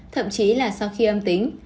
thậm chí là sau khi âm tính